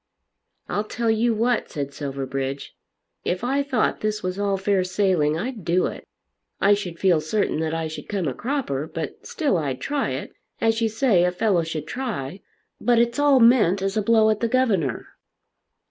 "I'll tell you what," said Silverbridge. "If I thought this was all fair sailing I'd do it. I should feel certain that I should come a cropper, but still I'd try it. As you say, a fellow should try. But it's all meant as a blow at the governor.